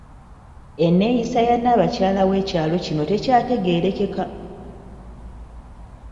Enneeyisa ya Nnaabakyala w’ekyalo kino tekyategeerekeka.